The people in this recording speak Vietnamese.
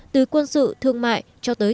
từ quân sự thương mại cho tới